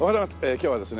今日はですね